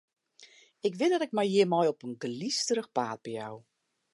Ik wit dat ik my hjirmei op in glysterich paad bejou.